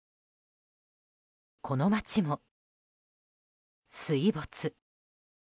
この街も水没。